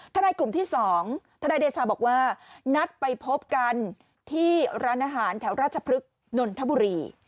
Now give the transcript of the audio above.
นายกลุ่มที่๒ทนายเดชาบอกว่านัดไปพบกันที่ร้านอาหารแถวราชพฤกษนนทบุรี